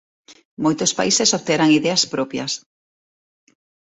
Moitos países obterán ideas propias.